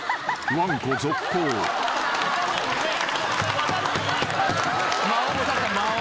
［わんこ続行］間を。